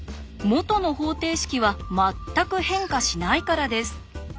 元の方程式は全く変化しないからです。